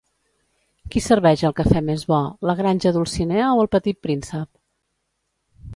Qui serveix el cafè més bo, la Granja Dulcinea o El Petit Príncep?